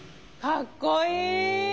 かっこいい。